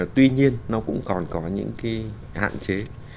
tuy nhiên nó cũng còn có những hạn chế